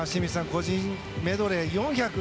個人メドレー、４００